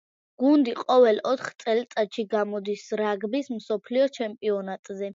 გუნდი ყოველ ოთხ წელიწადში გამოდის რაგბის მსოფლიო ჩემპიონატზე.